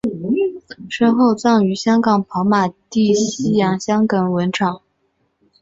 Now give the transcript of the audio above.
身后葬于香港跑马地西洋香港坟场。